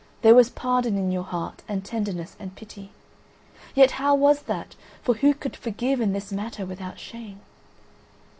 There was pardon in your heart, and tenderness and pity … yet how was that, for who could forgive in this matter without shame?